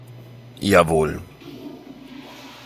Jawohl!